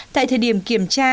tại thời điểm kiểm tra